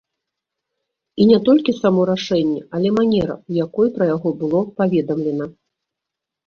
І не толькі само рашэнне, але манера, у якой пра яго было паведамлена.